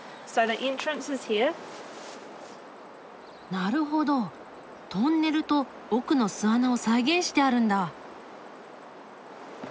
なるほどトンネルと奥の巣穴を再現してあるんだ。